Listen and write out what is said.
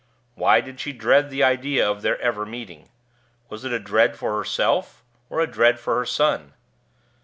Why did she dread the idea of their ever meeting? Was it a dread for herself, or a dread for her son?